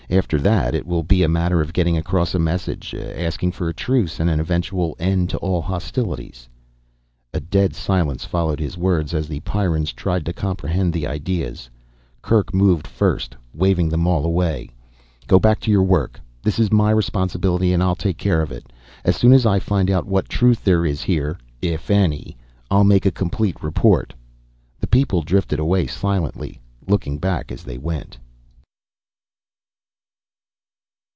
After that it will be a matter of getting across a message, asking for a truce and an eventual end to all hostilities." A dead silence followed his words as the Pyrrans tried to comprehend the ideas. Kerk moved first, waving them all away. "Go back to your work. This is my responsibility and I'll take care of it. As soon as I find out what truth there is here if any I'll make a complete report." The people drifted away silently, looking back as they went.